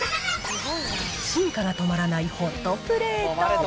進化が止まらないホットプレート。